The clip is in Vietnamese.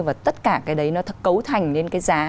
và tất cả cái đấy nó cấu thành lên cái giá